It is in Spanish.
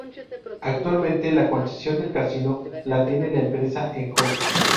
Actualmente, la concesión del casino la tiene la empresa Enjoy.